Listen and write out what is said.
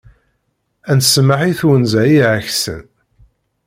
Ad nsemmeḥ i twenza iɛeksen.